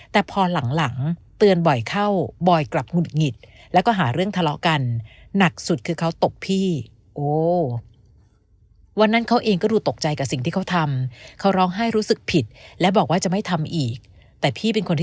แต่พอหลังเตือนบ่อยเข้าบ่อยกลับหุ่นหงิดแล้วก็หาเรื่องทะเลาะกัน